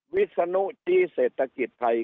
วิชสนุทธ์ที่เศรษฐกิจไทย